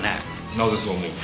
なぜそう思う？